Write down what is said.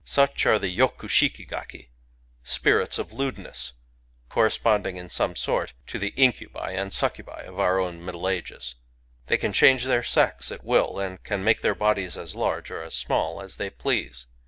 Such are the Toku sbiki gakiy spirits of lewdness, — corresponding in some sort to the incubi and succubi of our own Middle Ages. They can change their sex at will, and can make their bodies as large or as small as they please.